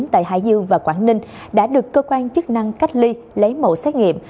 tại hải dương và quảng ninh đã được cơ quan chức năng cách ly lấy mẫu xét nghiệm